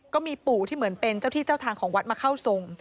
ก็มีปู่ที่เหมือนเป็นเจ้าที่เจ้าทางของวัดมาเข้าทรง